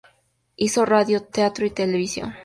Hizo radio, teatro y televisión.